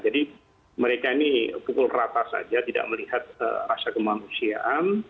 jadi mereka ini pukul rata saja tidak melihat rasa kemanusiaan